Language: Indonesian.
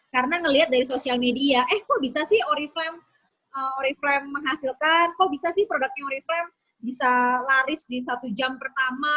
karena melihat dari sosial media eh kok bisa sih oriflame menghasilkan kok bisa sih produknya oriflame bisa laris di satu jam pertama